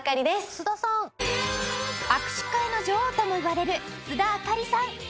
握手会の女王ともいわれる須田亜香里さん。